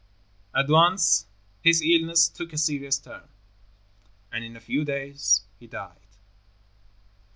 At once his illness took a serious turn, and in a few days he died.